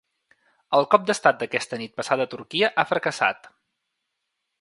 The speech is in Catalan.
El cop d’estat d’aquesta nit passada a Turquia ha fracassat.